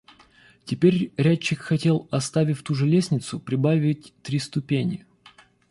Теперь рядчик хотел, оставив ту же лестницу, прибавить три ступени.